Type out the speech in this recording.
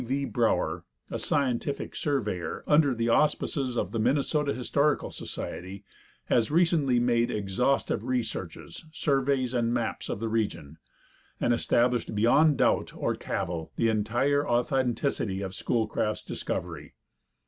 V. Brower, a scientific surveyor, under the auspices of the Minnesota Historical Society, has recently made exhaustive researches, surveys and maps of the region, and established beyond doubt or cavil the entire authenticity of Schoolcraft's discovery.